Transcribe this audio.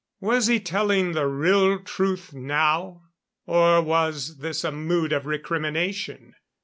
Was he telling the real truth now? Or was this a mood of recrimination?